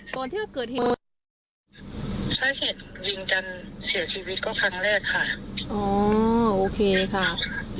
ใช้เหตุยิงกันเสียชีวิตก็ครั้งแรกค่ะอ๋อโอเคค่ะ